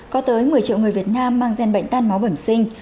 có tới một mươi triệu người việt nam mang gian bệnh tan máu bẩm sinh